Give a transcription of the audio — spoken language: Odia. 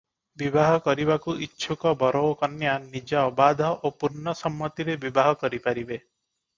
ବିବାହ କରିବାକୁ ଇଚ୍ଛୁକ ବର ଓ କନ୍ୟା ନିଜ ଅବାଧ ଓ ପୂର୍ଣ୍ଣ ସମ୍ମତିରେ ବିବାହ କରିପାରିବେ ।